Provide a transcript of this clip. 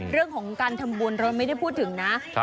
เรื่องของการทำบุญเราไม่ได้พูดถึงนะ